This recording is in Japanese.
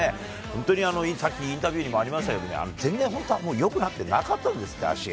本当にさっきインタビューでもありましたけど、全然本当はよくなってなかったんですって、足。